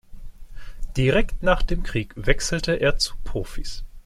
Direkt nach dem Krieg wechselte er zu Profis.